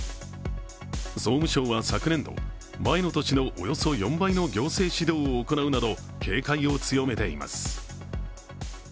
総務省は昨年度、前の年のおよそ４倍の行政指導を行うなど、警戒を強めています。